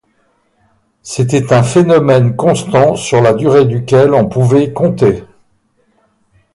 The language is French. C’était un phénomène constant sur la durée duquel on pouvait compter.